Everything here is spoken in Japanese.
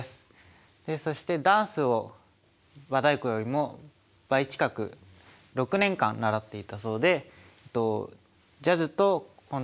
そしてダンスを和太鼓よりも倍近く６年間習っていたそうでジャズとコンテンポラリー